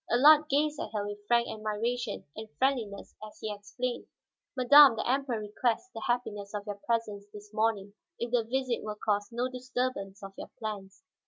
Allard gazed at her with frank admiration and friendliness as he explained: "Madame, the Emperor requests the happiness of your presence this morning, if the visit will cause no disturbance of your plans."